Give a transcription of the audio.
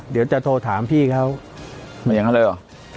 เดี๋ยวจะโทรถามพี่เขาไม่อย่างนั้นเลยเหรอ